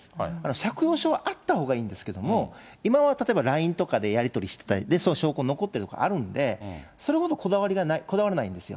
借用書はあったほうがいいんですけども、今は例えばＬＩＮＥとかでやり取りしてたり、その証拠が残ってることとかあるんで、それほどこだわらないんですよ。